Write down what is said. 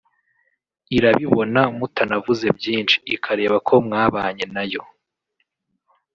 irabibona mutanavuze byinshi ikareba ko mwabanye na yo